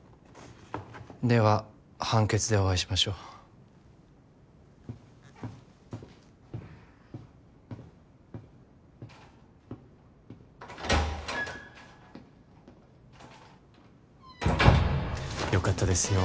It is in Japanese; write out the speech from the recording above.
では判決でお会いしましょうよかったですよ